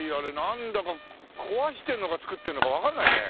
なんだか壊してるのか造ってるのかわかんないね。